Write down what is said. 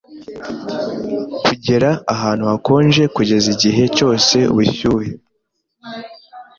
kugera ahantu hakonje kugeza igihe cyose ubushyuhe